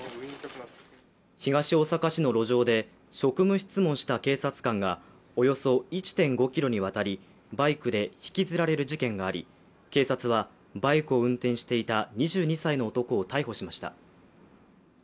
東大阪市の路上で職務質問した警察官がおよそ１．５ｋｍにわたりバイクに引きずられる事件があり警察は、バイクを運転していた２２歳の男を逮捕しました。